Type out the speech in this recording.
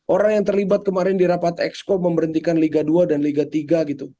orang yang terlibat kemarin di rapat exco memberhentikan liga dua dan liga tiga gitu